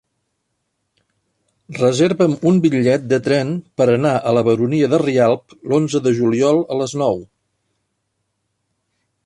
Reserva'm un bitllet de tren per anar a la Baronia de Rialb l'onze de juliol a les nou.